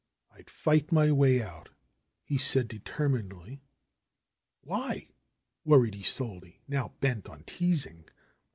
"I'd flght my way out," he said determinedly. "Why ?" worried Isolde, now bent on teasing.